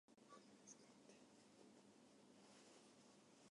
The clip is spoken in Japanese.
地球は平面である